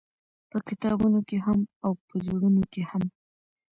په کتابونو کښې هم او په زړونو کښې هم-